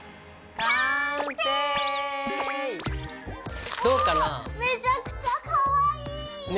おめちゃくちゃかわいい。ね。